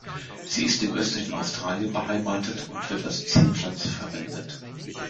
Sie ist im östlichen Australien beheimatet und wird als Zierpflanze verwendet.